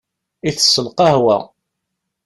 Itess lqahwa.